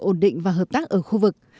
ổn định và hợp tác ở khu vực